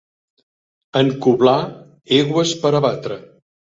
Encoblar egües per a batre.